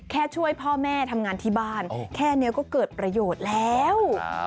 ช่วยพ่อแม่ทำงานที่บ้านแค่นี้ก็เกิดประโยชน์แล้ว